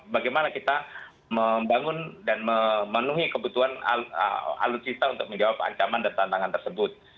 bagaimana kita membangun dan memenuhi kebutuhan alutsista untuk menjawab ancaman dan tantangan tersebut